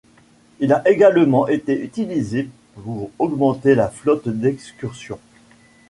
Il a également été utilisé pour augmenter la flotte d'excursion.